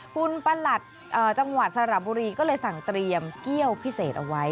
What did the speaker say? คุณประหลัดจังหวัดสระบุรีก็เลยสั่งเตรียมเกี้ยวพิเศษเอาไว้